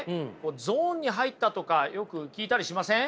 ゾーンに入ったとかよく聞いたりしません？